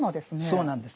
そうなんですね。